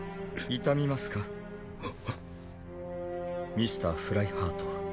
ミスター・フライハート